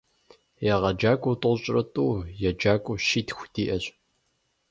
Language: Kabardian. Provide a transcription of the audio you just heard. ЕгъэджакӀуэу тӀощӀрэ тӀу, еджакӏуэу щитху диӀэщ.